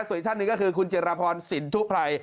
ส่วนอีกท่านหนึ่งก็คือคุณเจรพรสินทุไพร